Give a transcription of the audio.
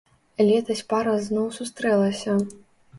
Летась пара зноў сустрэлася.